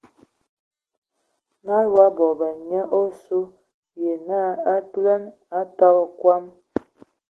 Nala a abɔbɛn ai mye osu ye a ntugəlɛn o a tɔbɔ kɔm.